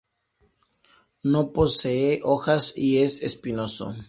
No posee hojas y es espinoso.